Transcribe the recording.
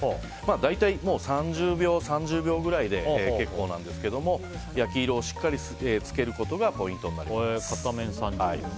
大体３０秒くらいで結構なんですけど焼き色をしっかりつけることがポイントになります。